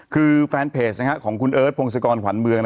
คือแฟนเพจของคุณเอิรตรโปรงศิกรขวานเมือง